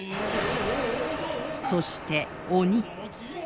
そして鬼。